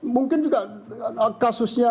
mungkin juga kasusnya